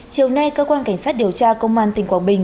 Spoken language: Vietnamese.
chiều nay cơ quan cảnh sát điều tra công an tỉnh quảng bình